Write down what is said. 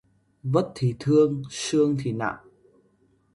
Vất thì thương, sương thì nặng